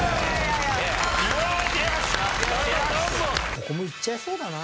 ここもいっちゃいそうだな。